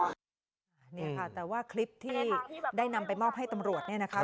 เนี่ยค่ะแต่ว่าคลิปที่ได้นำไปมอบให้ตำรวจเนี่ยนะคะ